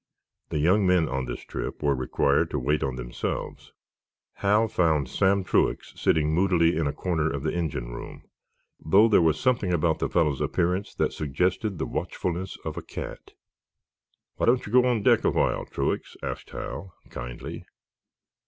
The young men, on this trip, were required to wait on themselves. Hal found Sam Truax sitting moodily in a corner of the engine room, though there was something about the fellow's appearance that suggested the watchfulness of a cat. "Why don't you go on deck a while, Truax?" asked Hal, kindly.